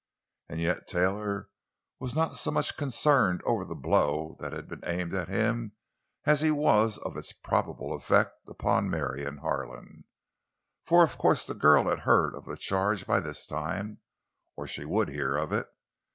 And yet Taylor was not so much concerned over the blow that had been aimed at him as he was of its probable effect upon Marion Harlan. For of course the girl had heard of the charge by this time—or she would hear of it.